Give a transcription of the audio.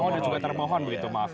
oh dan juga termohon begitu maaf